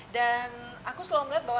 dan aku selalu melihat bahwa